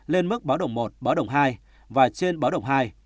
lên mức báo động một báo động hai và trên báo động hai